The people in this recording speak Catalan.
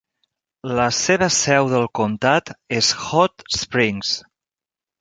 La seva seu del comtat és Hot Springs.